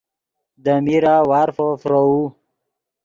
دے میرہ وارفو فروؤ